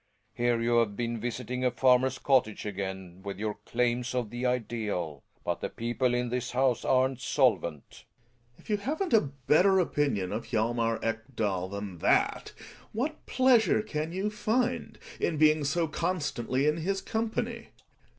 Here you've been visiting a farmer's cottage / again with your claims of the ideal; but the people in this house aren't solvent. Gregers. If you haven't a better opinion of Hjalmar Ekdal than that, what pleasure can you find in being so constantly in his company